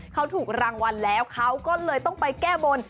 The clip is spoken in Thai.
เขาถูกรางวัลแล้วเขาก็เลยต้องไปแก้บน